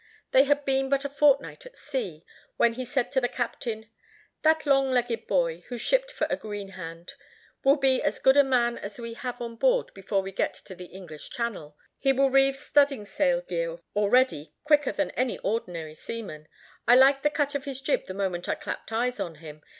They had been but a fortnight at sea, when he said to the captain, "That long legged boy, who shipped for a green hand, will be as good a man as we have on board before we get into the English Channel; he will reeve studding sail gear, already, quicker than any ordinary seaman. I liked the cut of his jib the moment I clapped eyes on him.